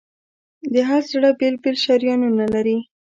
د هر زړه بېل بېل شریانونه لري.